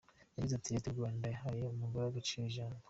Yagize ati “Leta y’u Rwanda yahaye umugore agaciro n’ijambo.